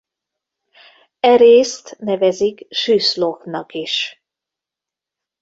E részt nevezik Süssloch-nak is.